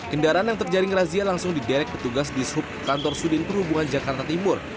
kendaraan yang terjaring razia langsung diderek petugas di subkantor sudin perhubungan jakarta timur